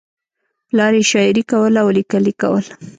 پلار یې شاعري کوله او لیکل یې کول